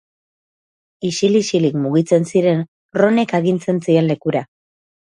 Isil-isilik mugitzen ziren Ronek agintzen zien lekura.